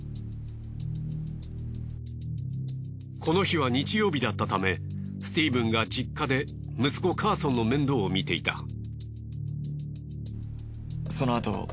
この日は日曜日だったためスティーブンが実家で息子カーソンの面倒をみていた。